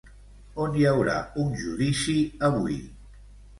On hi haurà un judici avui?